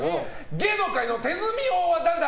芸能界の手積み王は誰だ！？